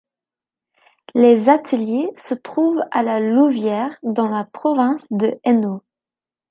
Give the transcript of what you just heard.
Les ateliers se trouvent à La Louvière dans la province de Hainaut.